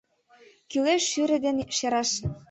Кӱлеш шӱре ден шераш